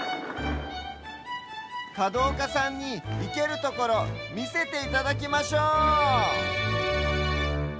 かどうかさんにいけるところみせていただきましょう！